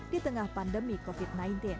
di tengah pandemi covid sembilan belas